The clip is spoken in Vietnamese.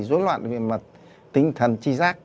dối loạn về mặt tinh thần chi giác